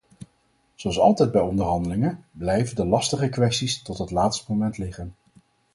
Zoals altijd bij onderhandelingen, blijven de lastigste kwesties tot het laatste moment liggen.